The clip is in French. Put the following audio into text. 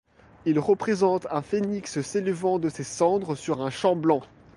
Il représente un phénix s'élevant de ses cendres sur un champ blanc.